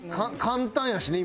簡単やしね